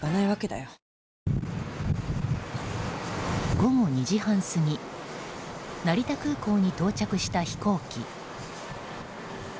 午後２時半過ぎ成田空港に到着した飛行機。